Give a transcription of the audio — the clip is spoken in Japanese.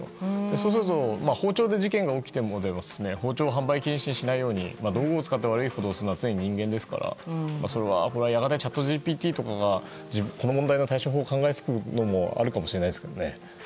そうすると包丁で事件が起きても包丁を販売禁止にしないように道具を使って悪いことをするのは人間ですからそれは、チャットＧＰＴ自身がこの問題の対処法を考えつくこともあるかもしれませんけどね。